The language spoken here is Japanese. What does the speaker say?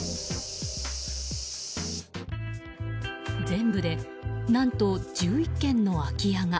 全部で何と１１軒の空き家が。